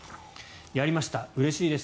やりました、うれしいです。